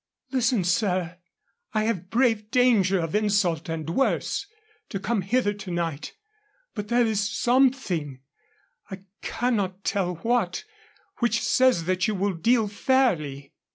"Listen, sir. I have braved danger of insult, and worse, to come hither to night. But there is something I cannot tell what which says that you will deal fairly."